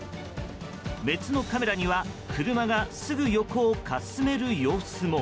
別のカメラには車がすぐ横をかすめる様子も。